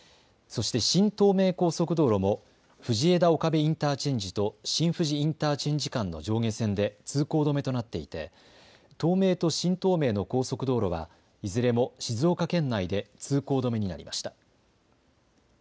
そして新東名高速道路も藤枝岡部インターチェンジと新富士インターチェンジ間の上下線で通行止めとなっていて東名と新東名の高速道路はいずれも静岡県内で通行止めになりました。